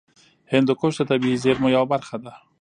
هندوکش د طبیعي زیرمو یوه برخه ده.